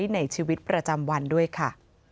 ในชีวิตประจำวันด้วยค่ะ